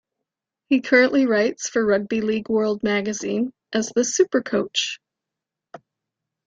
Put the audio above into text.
He currently writes for Rugby League World magazine as the 'Supercoach'.